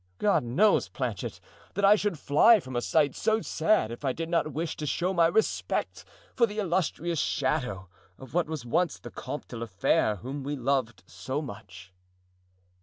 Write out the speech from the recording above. God knows, Planchet, that I should fly from a sight so sad if I did not wish to show my respect for the illustrious shadow of what was once the Comte de la Fere, whom we loved so much."